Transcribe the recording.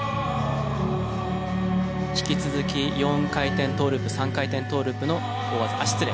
引き続き４回転トーループ３回転トーループの大技あっ失礼。